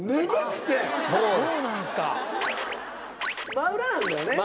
真裏なんだよね。